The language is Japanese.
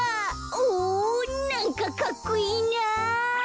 おおなんかかっこいいな！